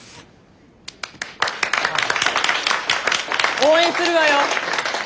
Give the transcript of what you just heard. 応援するわよ！